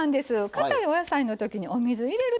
かたいお野菜の時にお水入れるとね